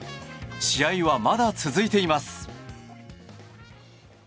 試合は、まだ続いています。